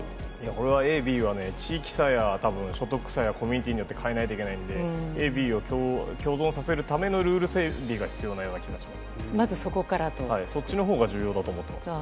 これはＡＢは、地域差や所得差やコミュニティによって変えないといけないんで、ＡＢを共存させるためのルール整理が必要なような気がします。